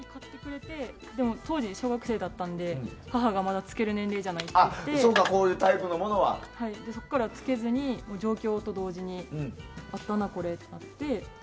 でも、当時小学生だったので母が、まだつける年齢じゃないってことでそこから着けずに上京と同時に買ったなこれってなって。